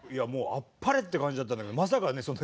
もうあっぱれって感じだったんだけどまさかね